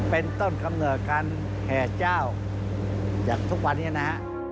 เป็นต้นกำเนิดการแห่เจ้าจากทุกวันนี้นะฮะ